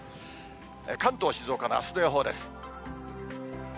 関東、静岡のあすの予報です。